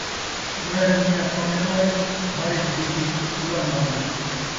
ٻاہر میاں پن٘ج ہزاری، گھر اِچ بی بی اللہ ماری